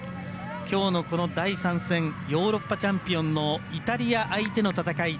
きょうのこの第３戦ヨーロッパチャンピオンのイタリア相手の戦い。